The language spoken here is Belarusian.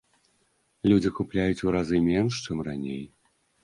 Людзі купляюць у разы менш, чым раней!